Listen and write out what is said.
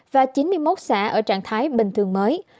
và chín mươi một xã ở trạng thái bình thường mới